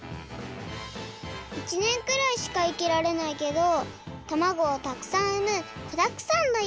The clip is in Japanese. １年くらいしか生きられないけどたまごをたくさんうむこだくさんのいかだったよ。